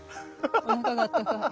おなかがあったかい。